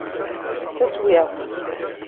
Taswiɛt.